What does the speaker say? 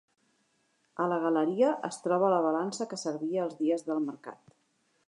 A la galeria es troba la balança que servia els dies del mercat.